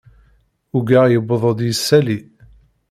Uggaɣ yewweḍ-d yisalli.